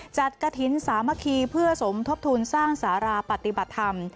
กระถิ่นสามัคคีเพื่อสมทบทุนสร้างสาราปฏิบัติธรรม